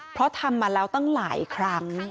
เพราะทำมาแล้วตั้งหลายครั้ง